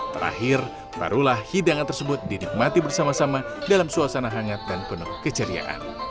terakhir barulah hidangan tersebut dinikmati bersama sama dalam suasana hangat dan penuh keceriaan